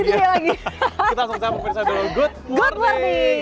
kita langsung sampai ke pemirsa dolo good morning